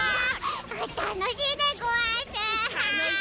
たのしいでごわす！